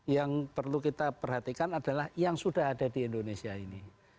yang perlu kita perhatikan adalah yang sudah ada di indonesia ini